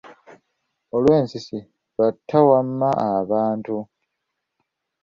Olw'e Nsiisi, Lwatta wamma abantu.